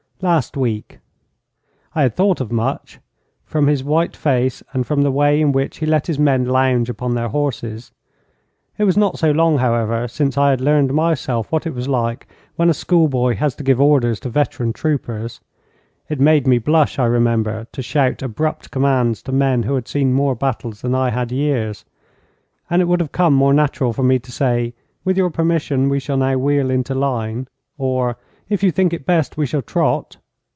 'Last week.' I had thought as much, from his white face and from the way in which he let his men lounge upon their horses. It was not so long, however, since I had learned myself what it was like when a schoolboy has to give orders to veteran troopers. It made me blush, I remember, to shout abrupt commands to men who had seen more battles than I had years, and it would have come more natural for me to say, 'With your permission, we shall now wheel into line,' or, 'If you think it best, we shall trot.'